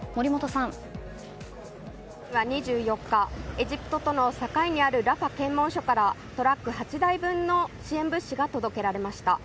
ガザ地区には２４日エジプトとの境にあるラファ検問所からトラック８台分の支援物資が届けられました。